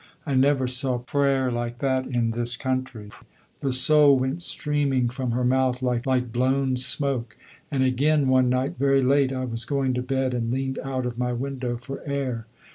I never saw prayer like that in this country. The soul went streaming from her mouth like blown smoke. And again, one night, very late, I was going to bed, and leaned out of my window for air.